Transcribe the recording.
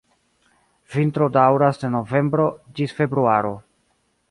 Vintro daŭras de novembro ĝis februaro.